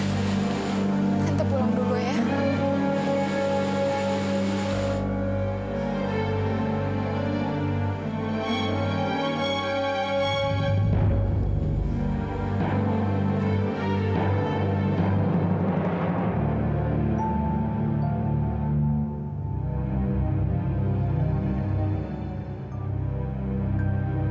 tante pulang dulu ya